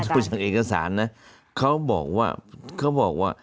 ดูจากเอกสารนะเขาบอกว่า